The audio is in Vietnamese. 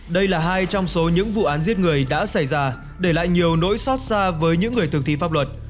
đây là hai trong số những vụ án giết người đã xảy ra để lại nhiều nỗi xót xa với những người thực thi pháp luật